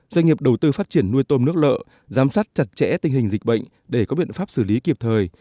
doanh nghiệp đầu tư phát triển nuôi tôm nước lợ giám sát chặt chẽ tình hình dịch bệnh để có biện pháp xử lý kịp thời